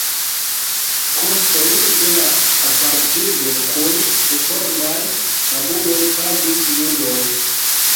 Kostojn de la apartigo kun informaj tabuloj pagis judoj.